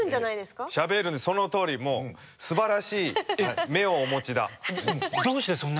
そのとおりもうすばらしい目をお持ちだ。